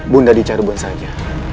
bunda di caruban saja